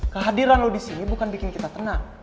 kehadiran lo disini bukan bikin kita tenang